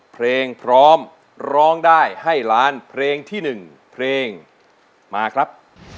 เพลงพร้อมร้องได้ให้ล้านเพลงที่๑เพลงมาครับ